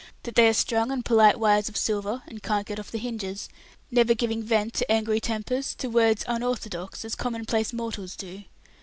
that they are strung on polite wires of silver, and can't get off the hinges, never giving vent to angry tempers, to words unorthodox, as commonplace mortals do?